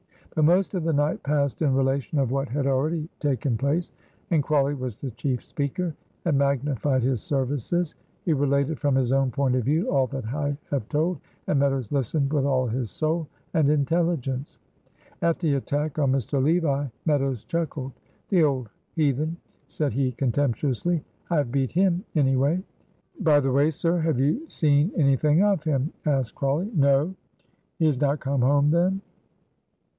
But most of the night passed in relation of what had already taken place, and Crawley was the chief speaker, and magnified his services. He related from his own point of view all that I have told, and Meadows listened with all his soul and intelligence. At the attack on Mr. Levi, Meadows chuckled. "The old heathen," said he, contemptuously, "I have beat him anyway." "By the way, sir, have you seen anything of him?" asked Crawley. "No." "He is not come home, then."